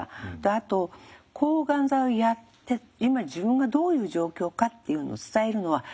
あと抗がん剤をやって今自分がどういう状況かっていうのを伝えるのは患者側なんです。